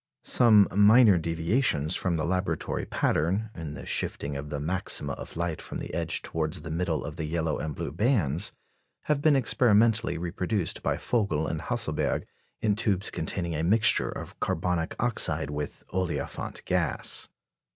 Some minor deviations from the laboratory pattern, in the shifting of the maxima of light from the edge towards the middle of the yellow and blue bands, have been experimentally reproduced by Vogel and Hasselberg in tubes containing a mixture of carbonic oxide with olefiant gas.